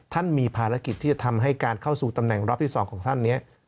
ท่านมีภารกิจที่จะทำให้การเข้าสู่ตำแหน่งรอบที่๒ของท่านนี้